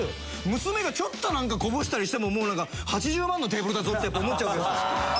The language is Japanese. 娘がちょっとなんかこぼしたりしても８０万のテーブルだぞってやっぱ思っちゃうんですよ。